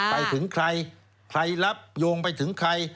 ไปถึงใครใครรับโยงไปถึงใคร